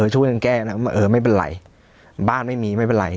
ช่วยกันแก้ไว้บ้านไม่มีเป็นไร